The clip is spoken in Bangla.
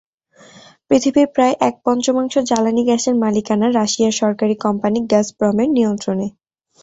পৃথিবীর প্রায় এক-পঞ্চমাংশ জ্বালানি গ্যাসের মালিকানা রাশিয়ার সরকারি কোম্পানি গাজপ্রমের নিয়ন্ত্রণে।